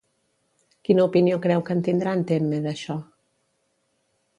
Quina opinió creu que en tindrà en Temme d'això?